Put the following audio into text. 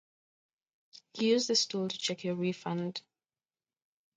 Use this tool to check your refund.